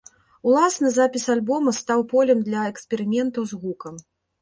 Уласна запіс альбома стаў полем для эксперыментаў з гукам.